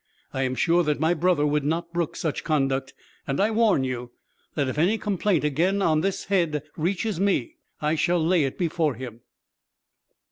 I am sure that my brother would not brook such conduct, and I warn you that, if any complaint again on this head reaches me, I shall lay it before him."